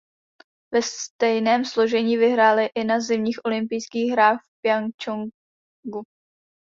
Ve stejném složení vyhráli i na zimních olympijských hrách v Pchjongčchangu.